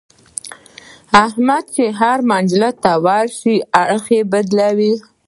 احمد چې هر مجلس ته ورشي اړخ یې بدلوي.